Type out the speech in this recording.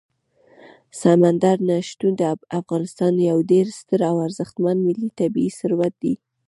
سمندر نه شتون د افغانستان یو ډېر ستر او ارزښتمن ملي طبعي ثروت دی.